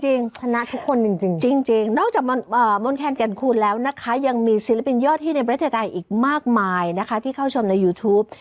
ชนะทุกคนจริงนอกจากมนแคนแก่นคูณแล้วนะคะยังมีศิลปินยอดฮิตในประเทศไทยอีกมากมายนะคะที่เข้าชมในยูทูป